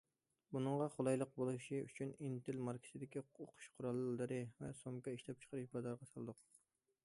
بۇنىڭغا قولايلىق بولۇشى ئۈچۈن‹‹ ئىنتىل›› ماركىسىدىكى ئوقۇش قوراللىرى ۋە سومكا ئىشلەپچىقىرىپ بازارغا سالدۇق.